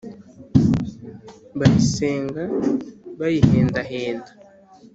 bayisenga: bayihendahenda